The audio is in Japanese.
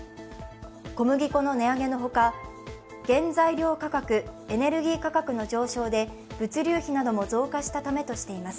小麦粉の値上げの他、原材料価格、エネルギー価格の上昇で、物流費なども増加したためとしています。